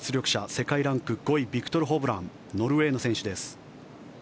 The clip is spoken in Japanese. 世界ランク５位ビクトル・ホブランノルウェーの選手です。